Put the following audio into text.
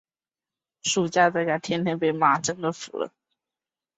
陶努斯山区柯尼希施泰因是德国黑森州霍赫陶努斯县的一个市镇。